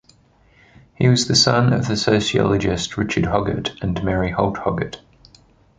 He was the son of the sociologist Richard Hoggart and Mary Holt Hoggart.